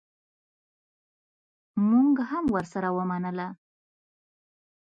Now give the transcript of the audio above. مونږ هم ورسره ومنله.